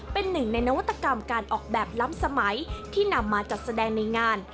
เป็นหนึ่งในนวัตกรรมการออกแบบล้ำสมัยที่นำมาจัดแสดงในงาน